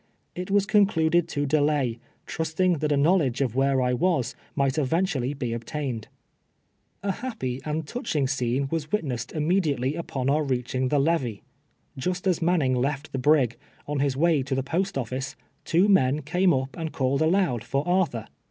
It was concluded to delay, trusting that a knowledge of where I was might eventually be obtained. A happy and touching scene was witnessed imme diately upon our reaching the levee. Just as Man ning left the brig, on his way to the post oftice, two men came up aud called aloud for Arthur.